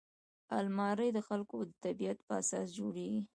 الماري د خلکو د طبعیت په اساس جوړیږي